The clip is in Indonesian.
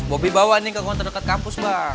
bobi bawa nih ke konten dekat kampus bang